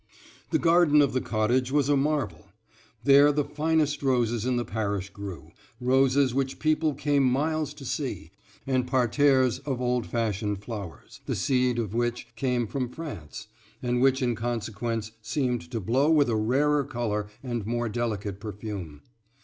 The garden of the cottage was a marvel; there the finest roses in the parish grew, roses which people came miles to see, and parterres of old fashioned flowers, the seed of which came from France, and which in consequence seemed to blow with a rarer color and more delicate perfume.